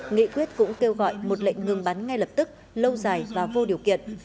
nghị quyết cũng kêu gọi một lệnh ngừng bắn ngay lập tức lâu dài và vô điều kiện